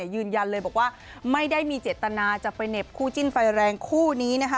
ยืนยันเลยบอกว่าไม่ได้มีเจตนาจะไปเหน็บคู่จิ้นไฟแรงคู่นี้นะคะ